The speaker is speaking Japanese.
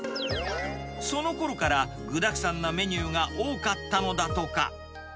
そのころから、具だくさんなメニューが多かったのだとか。